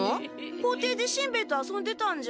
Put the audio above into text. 校庭でしんべヱと遊んでたんじゃ？